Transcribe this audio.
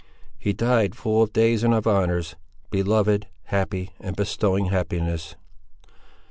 "He died full of days and of honours. Beloved, happy, and bestowing happiness!"